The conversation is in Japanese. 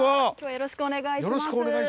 よろしくお願いします。